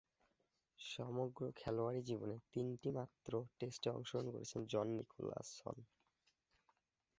সমগ্র খেলোয়াড়ী জীবনে তিনটিমাত্র টেস্টে অংশগ্রহণ করেছেন জন নিকোলসন।